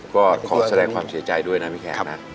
ก็ขอแสดงความเสียใจด้วยนะพี่แขกนะ